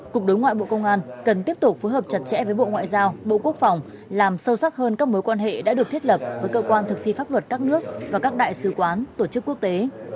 cục đối ngoại bộ công an cần tiếp tục phối hợp chặt chẽ với bộ ngoại giao bộ quốc phòng làm sâu sắc hơn các mối quan hệ đã được thiết lập với cơ quan thực thi pháp luật các nước và các đại sứ quán tổ chức quốc tế